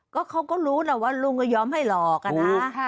ก็เขาก็รู้แหละว่าลุงก็ยอมให้หลอกอะนะ